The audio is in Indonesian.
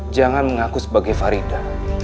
jangan mengaku sebagai farita